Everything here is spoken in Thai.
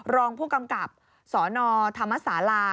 รองผู้กำกับสนธรรมศาลา